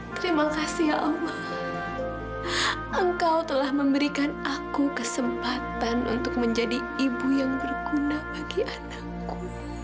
terima kasih ya allah engkau telah memberikan aku kesempatan untuk menjadi ibu yang berguna bagi anakku